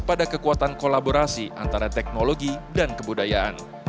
pada kekuatan kolaborasi antara teknologi dan kebudayaan